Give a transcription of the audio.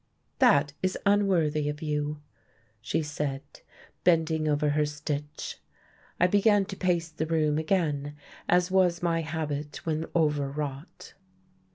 "That is unworthy of you," she said, bending over her stitch. I began to pace the room again, as was my habit when overwrought.